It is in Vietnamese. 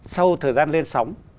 sau thời gian lên sóng